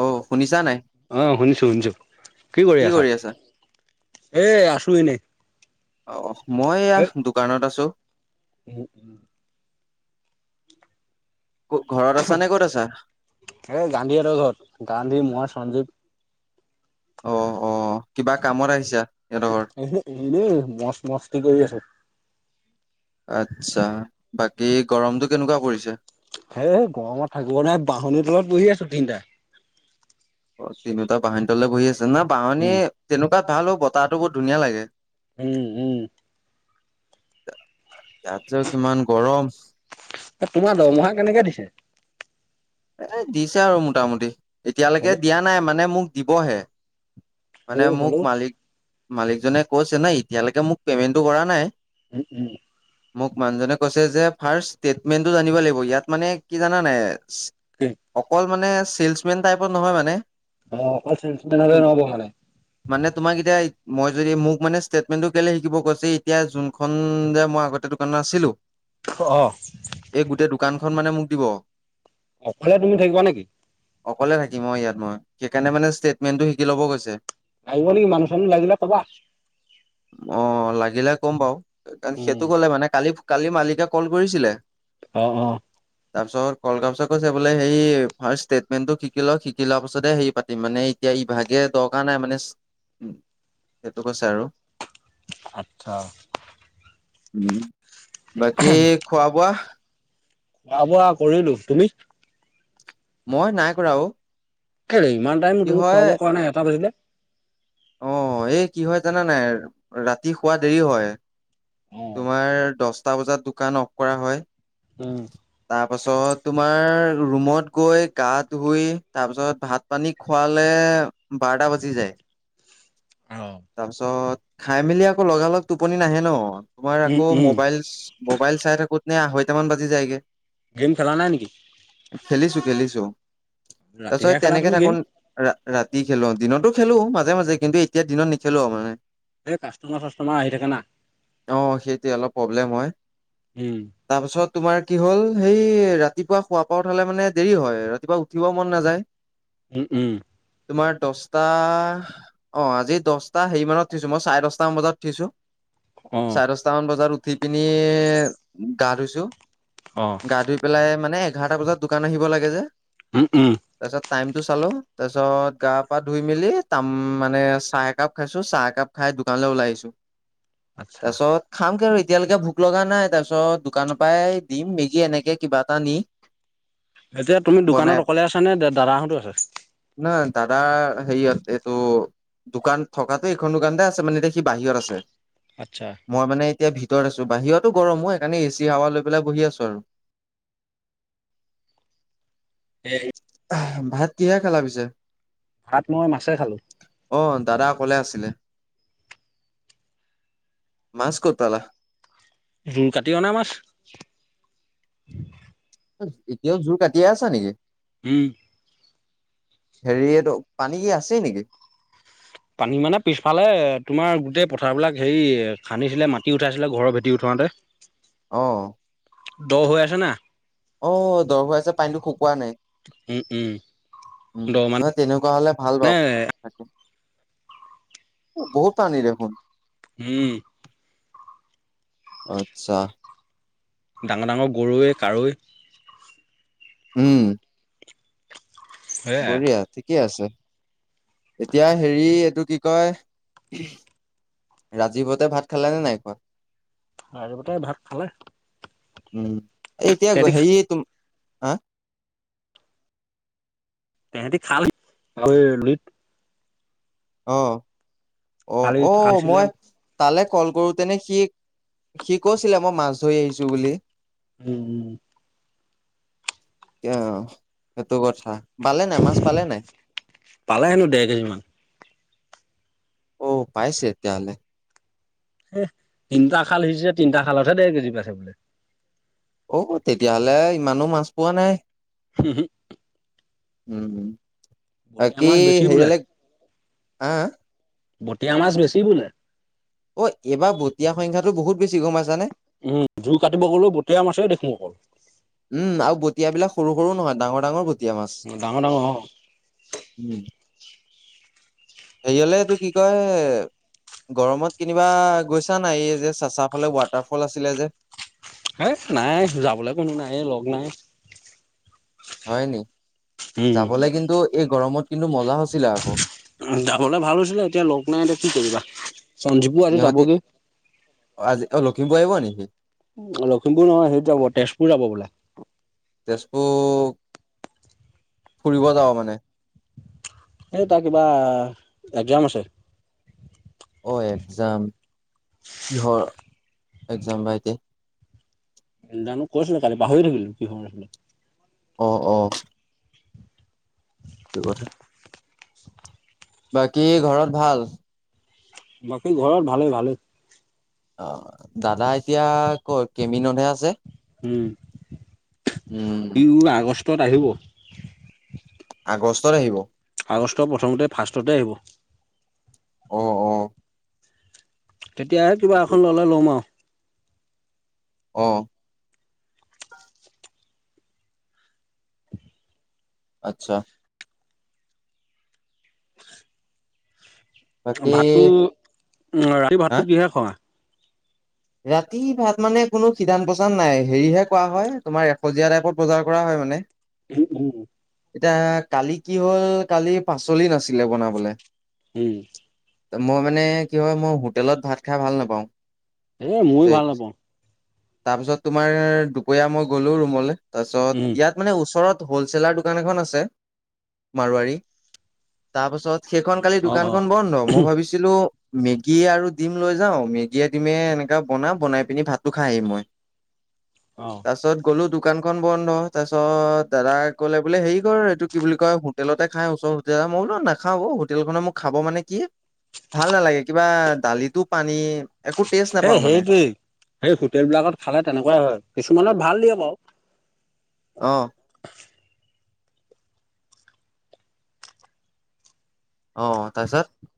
অ শুনিছা নাই আহ শুনিছো শুনিছো। কি কৰি আছা? এ আছো ইনে অ' মই এয়া দোকানত আছো। হৈনা ক- ঘৰত আছা নে ক'ত আছা এ গান্ধীহঁতৰ ঘৰত। গান্ধী মই সঞ্জীৱ। অ' অ' কিবা কামত আহিছা। সিহঁতৰ ঘৰত এইনে মছ মস্তিক কৰি আছো। আত্ছা বাকী গৰমতটো কেনেকুৱা পৰিছে। হে গৰমত থাকিব নাই বাঁহনিৰ তলত বহি আছো তিনটা। অ তিনিওটা বাহনী বহি আছে না বাহনী উম তেনেকুৱাত ভাল হ বতাহটো বহুত ধুনীয়া লাগে। উম উম। তাত কিমান গৰম এ তোমাৰ দৰমহা কেনেকে দিছে? এ দিছে আৰু মোটামুটি এতিয়ালৈকে হলো দিয়া নাই। মানে মোক দিবহে। মানে মোক হলো মালিক মালিকজনে কৈছে নাই এতিয়ালৈকে মোক পেমেন্টটো কৰা নাই। উম উম মোক মানুহজনে কৈছে যে ফাষ্ট তিপমেন্ত টো জানিব লাগিব। ইয়াত মানে কি জানা নাই। কি অকল মানে চেলমেন টাইপত নহয় মানে। অ অকল চেলচমেন হলে তম নহব মানে মানে তোমাৰ কেতিয়া? মই যদি মোক মানে ষ্টেটমেন্টটো কেলে শিকিব কৈছে। এতিয়া যোনখন যে মই আগতে দোকানত আছিলো। অ' অ' এই গোটেই দোকানখন মানে মোক দিব। অকলে তুমি থাকিবা নেকি? অকলে থাকিম অ' ইয়াত মই সেইকাৰণে মানে ষ্টেটমেণ্টটো শিকি ল'ব গৈছে। লাগিব নেকি মানু চান লাগিলা কবা। অ লাগিলে ক'ম বাৰু উম সেইটো ক'লে মানে কি কালি মালিকে কল কৰিছিলে। অ' অ' তাৰ পিছত কল গামোচাত। কৈছে বোলে। সেই ষ্টেটমেটো শিকি লও শিকি লোৱাৰ পাছতে হে পাতিম মানে ইভাগে দৰকাৰ নাই। নাই মানে সেইটো কৈছে আৰু। আচ্ছা। উম বাকী খোৱা-বোৱা? খোৱা-বোৱা কৰিলোঁ তুমি? মই নাই কৰা অ। কেলে ইমান টাইম কি তুমি হয় খোৱা বোৱা কৰা নাই এটা বাজিলে। অ' এই কি হয় জানা নাই ৰাতি শুৱা দেৰি হয়। অ তোমাৰ দছটা বজাত দোকান অফ কৰা হয়। উম তাৰপাছত তোমাৰ। ৰুমত গৈ গা ধুই তাৰ পিছত ভাত পানী খুৱালে বাৰটা বাজি যায়। অ'। তাৰপিছত খাই মেলি আকৌ লগালগ টোপনি নাহে ন। তোমাৰ উম, আকৌ উম, মবাইল মোবাইল চাই থাকোঁ‌ত নে আঢ়ৈটামান বাজি যায়গে। গেম খেলা নাই নেকি? খেলিছোঁ খেলিছোঁ। তাৰ পিছত ৰাতিহে খেলা তেনেকে তুমি গেম, থাকো ৰাতি খেলো দিনতো। খেলো মাজে মাজে কিন্তু এতিয়া দিনত নেখেলো মানে। এই কাষ্টমাৰ চাষ্টমাৰ আহি থাকে না। অ' সেইটোৱে অলপ প্ৰব্লেম হয়। উম, তাৰপিছত তোমাৰ কি হ'ল? সেই ৰাতিপুৱা শুৱাৰ পৰা উঠালে মানে দেৰি হয় ৰাতিপুৱা উঠিবও মন নাযায়। উম উম। তোমাৰ দছটা অ' আজি দহটা হেৰি মানত থৈছোঁ মই চাৰে দছটা মান বজাত উঠিছোঁ। অ', চাৰে দচটা মান বজাত উঠি পিনি গা ধুইছোঁ। অ', গা ধুই পেলাই মানে এঘাৰটা বজাত দোকান আহিব লাগে যে। উম উম। টাইম টো চালো তাৰ পিছত গা পা ধুই মেলি তাম মানে চাহ একাপ খাইছোঁ চাহ একাপ খাই। দোকানলৈ ওলাই আহিছোঁ আচ্ছা, তাৰপিছত খাম কি আৰু। এতিয়ালৈকে ভোক লগা নাই তাৰপিছত দোকানৰ পৰাই দিম মেগী এনেকে কিবা এটা নি। এতিয়া তুমি বনাই দোকানত অকলে আছা নে দাদাহঁতো আছে। হিয়াত এইটো দোকান থকাটো এইখন দোকানতে আছে মানে এতিয়া সি বাহিৰত আছে। আচ্ছা, মই মানে। এতিয়া ভিতৰত আছোঁ বাহিৰতো গৰমো সেইকাৰণে এ চি হাৱা লৈ পেলাই বহি আছোঁ আৰু। এই ভাত কিহে খালা পিছে। ভাত মই মাছে খালোঁ, অ দাদা অকলে আছিলে। মাছ ক'ত পালা। উম কাটি অনা মাছ। এতিয়াওঁ জোৰ কাটিয়েই আছা নেকি। হম। হেৰি এইটো পানী কি আছেই নেকি। পানী মানে পিছফালে তোমাৰ গোটেই পথাৰ বিলাক হেৰি খান্দিছিলে মাটি উঠাইছিলে ঘৰৰ ভেটি উঠাবলে। মানে। অ। দ হৈ আছে না। অ দ হৈ আছে পানীটো শুকোৱা নাই। উম, উম, উম দ মানে তেনেকুৱা হলে ভাল বাৰু তাকে। বহুত পানী দেখোন। উম। আচ্ছা। ডাঙৰ ডাঙৰ গৰৈ কাৰৈ। উম। সেয়াই। বঢ়িয়া ঠিকে আছে। এতিয়া হেৰি এইটো কি কয় ৰাজীৱহতে ভাত খালেনে নাই খোৱা? ৰাজীৱহতে ভাত খালে। উম এ এতিয়া তেহেতি সেয়ে তুম হা [unintelligible] তেহেঁতি খাল গৈ লিত অ অহ কালি অ খাইছিলে মই তালৈ কল কৰোঁতেনে সি, সি কৈছিলে মই মাছ ধৰি আহিছোঁ বুলি। উম এটিয়া সেইটো কথা পালে নাই মাছ পালে নাই। পালে হেনো দেৰ কেজি মান অ পাইছে তেতিয়াহ'লে এ তিনিটা খাল সিচিচে তিনিটা খালতহে দেৰ কেজি পাইছে বোলে। অ তেতিয়াহলে ইমানো মাছ পোৱা নাই। হু হু [unintelligible] উম কি মাছ বেছি বোলে সেইয়ালে হা অ [unintelligible] বটিয়া মাছ বেছি বোলে। অ এইবাৰ বটীয়া সংখ্যাটো বহুত বেছি গম পাইছানে? উম জোৰ কাটিব গ'লেও বটীয়া মাছে দেখো অকল উম আৰু বটিয়াবিলাক সৰু সৰু নহয়। ডাঙৰ ডাঙৰ বটীয়া মাছ। ডাঙৰ ডাঙৰ অ উম। হেৰিয়লে এইটো কি কয়? গৰমত কেনিবা গৈছা নাই যে চাচা ফালে ৱাটাৰফল আছিলে যে। এ নাই যাবলৈ কোনো নাই লগ নাই। হয় নি যাবলে কিন্তু এই গৰমত কিন্তু ম- যাবলে ভাল হৈছিলে এতিয়া লগ নাই এতিয়া কি কৰিবা। সঞ্জীৱো আজি সিহঁতে, যাবগে অ আজি অ লখিমপুৰ আহিব নি? লখিমপুৰ নহয় সেই যাব তেজপুৰ যাব বোলে। তেজপুৰ ফুৰিব যাওঁ মানে। এ তাৰ কিবা একজাম আছে। অ একজাম, কিহৰ একজাম বা ইয়াতে? জানো কৰিছিলে কালি পাহৰি থাকিলো কিহৰ আছিলে? অ অ। এইটো কথা। বাকী ঘৰত ভাল? বাকী ঘৰৰ ভালে ভালে। অ, দাদা এতিয়া ক'ত কেমিনতহে আছে। উম, উম সি আগষ্টত আহিব। ষ্টত আহিব। আগষ্ট প্ৰথমতে ফাৰ্ষ্টতে আহিব। অ অ। তেতিয়াহে কিবা সেইটো এখন ল'লে ল'ম আও। অ। আচ্ছা। বাকী ভাতটো অ ৰাতি হা ভাতটো কিহে খোৱা? ৰাতি ভাত মানে কোনো সিদ্ধান্ত প্ৰচান নাই হেৰিহে কোৱা হয় তোমাৰ এসজীয়া টাইপত বজাৰ কৰা হয় মানে। উম উম। এতিয়া কালি কি হল কালি পাচলি নাছিলে বনাবলে? উম। মই মানে কি হয় মই হোটেলত ভাত খাই ভাল নাপাওঁ। এ ময়ো দেই ভাল নাপাওঁ। তাৰপিছত তোমাৰ দুপৰীয়া মই গলো ৰুমলে, তাৰপিছত উম ইয়াত মানে ওচৰত হ'লছেলাৰ দোকান এখন আছে, মাৰুৱাৰী তাৰপাছত সেইখন কালি অ অ দোকানখন বন্ধ, মই ভাবিছিলো মেগী আৰু ডিম লৈ যাও, মেগী তিমে এনেকা বনাম বনাই পিনি ভাতটো খাই আহিম মই, অ তাৰপিছত গলো দো দোকানখন বন্ধ তাৰপিছত দাদাই কলে বোলে হেৰি কৰ এইটো কি বুলি কয় হোটেলতে খাই ওচৰ হোটেল মই বোলো নাখাওঁ হোটেলখনৰ মোক খাব মানে কি ভাল নালাগে কিবা দালিতো পানী। একো টেষ্ট নাপাওঁ এ' মানে। সেইটোৱে সেই হোটেল বিলাকত খালে তেনেকুৱাই হয় কিছুমানত ভাল দিয়ে বাও। আহ। আহ তাৰপিছত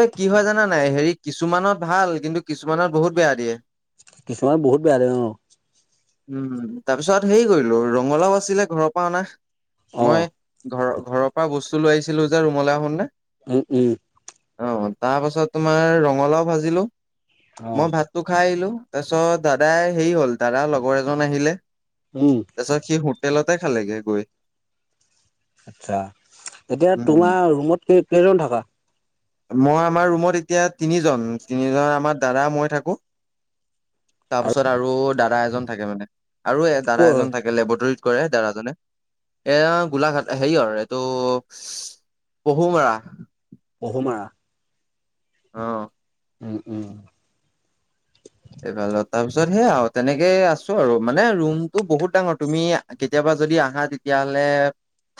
এ কি হয় জানা নাই, হেৰি কিছুমানত ভাল কিন্তু কিছুমানত বহুত বেয়া দিয়ে। কিছুমান বহুত বেয়া লাগে ন। উম, তাৰ পিছত হেৰি কৰিলো ৰঙালাও আছিলে ঘৰৰ পৰা অনা। অ মই ঘৰ ঘৰৰ পৰা বস্তু লৈ আহিছিলো যে ৰুমলৈ আহন নে। উম উম। অঁ তাৰপাছত তোমাৰ ৰঙালাও ভাজিলোঁ, অ মই ভাতটো খাই আহিলোঁ। তাৰপিছত দাদাই হেৰি হল দাদা লগৰ এজন আহিলে, উম তাৰপিছত সি হো তেলতে খালেগে গৈ। আচ্ছা, এতিয়া উম, তোমাৰ ৰুমত কে কেইজন থাকা? মই আমাৰ ৰুমত এতিয়া তিনিজন, তিনিজন আমাৰ দাদা মই থাকো। তাৰ পাছত আৰু দাদা এজন থাকে মানে, আৰু এ ক'ৰ দাদা হয় এজন থাকে লেবৰেটৰীত কৰে দাদাজনে। এয়া গোলাঘাট হেৰি আৰু এইটো পহুমৰা। পহোমাৰা। অঁ। উম উম। এইবাল তাৰ পিছত সেইয়া তেনেকে আছো আৰু মানে ৰুমটো বহুত ডাঙৰ তুমি কেতিয়াবা। যদি আহা তেতিয়াহলে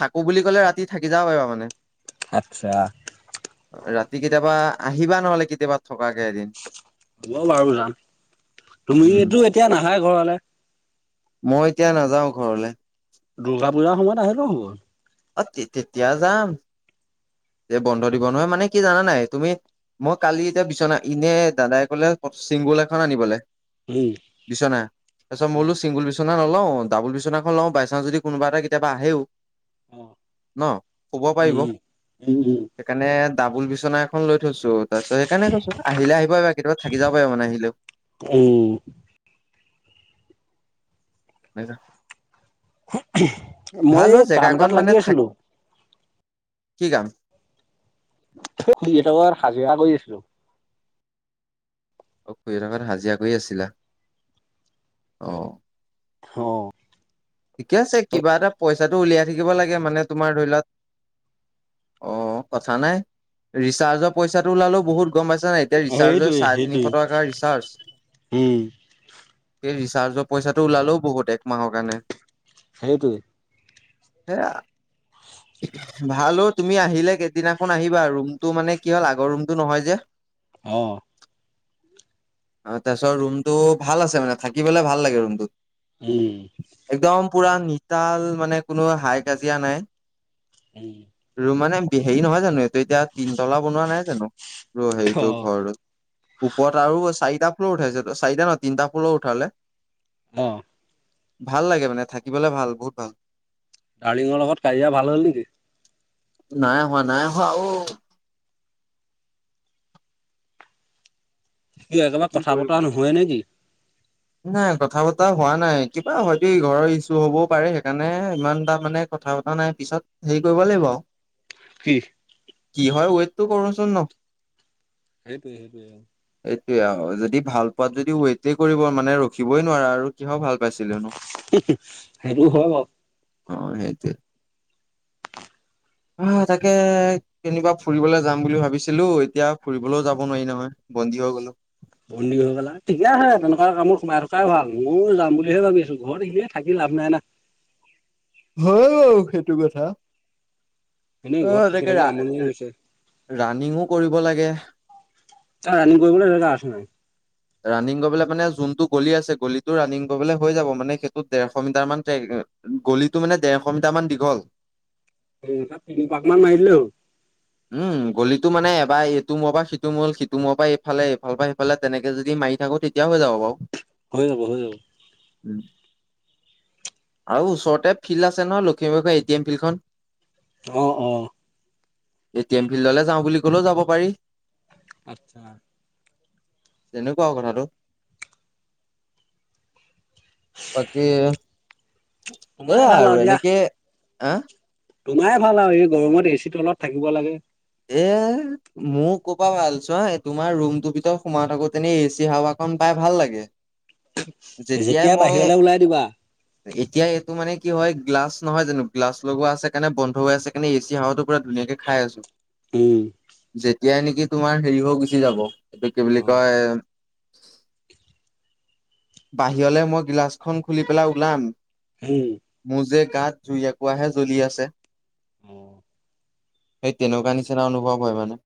থাকো বুলি ক'লে ৰাতি থাকি যাব পাৰিব মানে। আচ্ছা ৰাতি কেতিয়াবা আহিবা নহলে কেতিয়াবা। থকাকে এদিন হ'ব বাৰু জান উম তুমিতো এতিয়া নাহাই ঘৰলে। মই এতিয়া নাযাওঁ ঘৰলৈ। দূৰ্গা পূজাৰ সময়ত আহিলে হল। অ তেতিয়া যাম। যে বন্ধ দিব নহয় মানে কি জানা নাই তুমি। মই কালি এতিয়া বিচনা এনে দাদাই কলে চিংগুল এখন আনিবলৈ। উম বিছনা, তাৰপিছত মই অ বোলো চিংগুল বি। বিচনা নলওঁ ডাবুল বিচনাখন লওঁ যদি কোনবা এটা কেতিয়াবা আহেও। অ ন শুব পাৰিব। উম, উম উ। সেইকাৰণে ডাবুল বিচনা এখন লৈ। থৈছো তাৰপিছত সেইকাৰণে কৈছো আহিলে আহিব পাৰিবা কেতিয়াবা থাকি যাব পাৰিব মানে আহিলে উম [unintelligible] মই ভালো এই কাম জেগাকণ এটাত মানে লাগি থাক। আছিলো। কি গান। ত এটা ব সাজিয়া কৰি আছিলো। অ শুৰি থকাত হাজিৰা কৰি আছিলা অ। অঁ। ঠিকে আছে কিবা এটা পইচাটো উলিয়াই থাকিব লাগে মানে তোমাৰ ধৰি লোৱা। অ'কথা নাই ৰিচাৰ্জৰ পইচাটো ওলালেও বহুত। গম পাইছ না এতিয়া ৰিচাৰ্জৰ সেইটোৱে চাৰে তিনিশ সেইটোৱে টকাৰ ৰিচাৰ্জ। উম, সেই ৰিচাৰ্জৰ পইচাটো ওলালেও বহুত এক মাহৰ কাৰণে। সেইটোৱে। সেইয়া। ভালো অ তুমি আহিলে কেইদিনাখন আহিবা ৰুমটো মানে কি হ'ল আগৰ ৰুমটো নহয় যে।। অহ। অ' তাৰপিছত ৰুমটো ভাল আছে মানে থাকিবলে ভাল লাগে ৰুমটোত। উম একদম পুৰা নিতাল মানে কোনো হাই কাজিয়া নাই। উম, ৰুম মানে হেৰি নহয় জানো এইটো এতিয়া তিনতলা বনোৱা নাই জানো? ৰ সেইটো অ', ঘৰলৈ ওপৰত আৰু চাৰি। তিটা ফ্লোৰ উঠাইছে ট চাৰিটা ন তিনিটা ফ্লোৰ উঠালে। অহ। ভাল লাগে মানে থাকিবলে ভাল বহুত ভাল। কালিংৰ লগত কাজিয়া ভাল হল নেকি? নাই হোৱা নাই হোৱা অহ। ই একেবাৰে কি কথা বতৰা কৰিবা? নহয় নেকি? নাই কথা বতৰা হোৱা নাই কিবা হয়তো ঘৰৰ ইছুহু হবও পাৰে, সেইকাৰণে ইমান তটা মানে। কথা পতা নাই পিছত হেৰি কৰিব লাগিব আৰু। কি? কিহৰ ৱেত টো কমাবাচো ন। সেইটোৱ সেইটোৱ। এতিয়া হয় যদি ভাল পোৱাত যদি ৱেইটে কৰিব মানে ৰখিবই নোৱাৰা আৰু কিহৰ ভাল। পাইছিলোনো। সেইটো হয় বাওঁ। অ সেই তুৱে। হয় তাকে কেনিবা ফুৰিবলৈ যাম বুলি ভাবিছিলো, এতিয়া ফুৰিবলৈও যাব নোৱাৰি নহয়। বন্দী হৈ গ'লো বন্দী হৈ গলা, ঠিকে আছে তেনেকুৱা কামত সোমাই থকাই ভাল, ময়ো যাম বুলিহে ভাবি আছো, ঘৰত এনেই থাকি লাভ নাই না। হয় বাওঁ সেইটো কথা। এনেই অ ঘৰত থাকি এনেকে থাকি ৰা আমনি লাগি গৈছে। ৰাণিঙো কৰিব লাগে। তাত ৰানিং কৰিবলে জেগা আছে নাই? ৰানিং কৰিবলে মানে যোনতটো গলি আছে গলিটো ৰানিং কৰিবলৈ হৈ যাব মানে সেইটো ডেৰশ মিটাৰ মানে ট্ৰেক গলিটো মানে ডেৰশ মিটাৰ মান দীঘল তিনি পাক মান মাৰি দিলেই হ'ল। উম গলিতো মানে পাই এইটো মোৰ পৰা সিটো মল সিটো মৰ পৰা এইফালে এইফাল বা পৰা সেইফালে তেনেকে যদি মাৰি থাকোঁ তেতিয়া হৈ যাব বাও। হৈ যাব হৈ যাব- উম [inaudible] আৰু ওচৰতে ফিল্ড আছে ন লখিমপুৰৰ এ টি এম ফিল্ডখন। অ অ এ টি এম ফিল্ডলৈ যাওঁ বুলি কলেও যাব পাৰি আচ্ছা তেনেকুৱা আউ কথাটো বাকী এয়া তোমাৰে এইয়াই ভাল আৰু দিয়া এনেকে আহ তোমাৰে ভাল আও এই গৰমত এচি তলত অলপ থাকিব লাগে। এ মোৰ কৰ পৰা ভাল ছোৱা এ তোমাৰ ৰুম টো ভিতৰত সোমাই থাকোঁ তেনি এ চি হাৱা খন পাই- খাই ভাল লাগে, যেতিয়াই মই বাহিৰলৈ ওলাই দিবা এতিয়া ইটো মানে- কি হয় গ্লাছ নহয় জানো গ্লাছ লগোৱা আছে কাৰণে বন্ধ হৈ আছে কাৰণে এ চি হাৱা টো পুৰা ধুনীয়াকে খাই আছো উম- এতিয়াই নেকি তোমাৰ হেৰি হৈ গুচি যাব এইটো কি বুলি কয়- বাহিৰলৈ মই গিলাচখন খুলি পেলাই ওলাম উম মোৰ যে গাত জুই এককুৱাহে জ্বলি আছে- অ সেই তেনেকুৱা নিচিনা অনুভৱ হয় মানে-